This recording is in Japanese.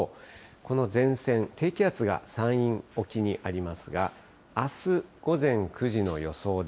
この前線、低気圧が山陰沖にありますが、あす午前９時の予想で、